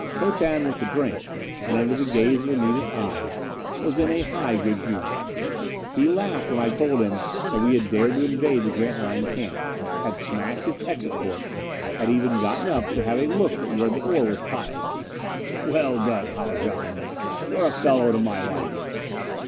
Potan, with the drink, and under the gaze of Anita's eyes, was in a high good humor. He laughed when I told him that we had dared to invade the Grantline camp, had smashed its exit portes, had even gotten up to have a look at where the ore was piled. "Well done, Haljan! You're a fellow to my liking!"